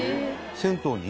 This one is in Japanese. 銭湯に？